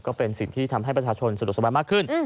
ก็เป็นสิ่งที่ทำให้ประชาชนสะดวกสบายมากขึ้น